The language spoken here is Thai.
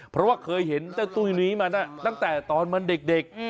เพราะว่าเคยเห็นเจ้าตุ้ยนี้มาตั้งแต่ตอนมันเด็ก